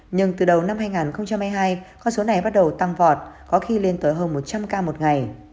nhưng từ đầu năm hai nghìn hai mươi hai con số này bắt đầu tăng vọt có khi lên tới hơn một trăm linh ca một ngày